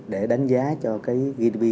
để đánh giá cho gdp